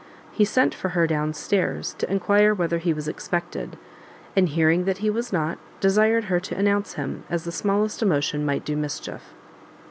He sent for her down stairs, to enquire whether he was expected; and hearing that he was not, desired her to announce him, as the smallest emotion might do mischief.